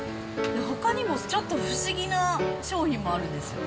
ほかにもちょっと不思議な商品もあるんですよ。